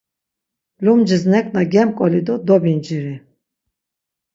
Lumcis neǩna gemǩoli do dobinciri.